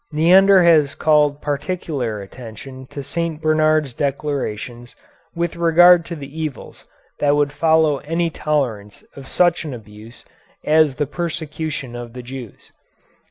Neander has called particular attention to St. Bernard's declarations with regard to the evils that would follow any tolerance of such an abuse as the persecution of the Jews.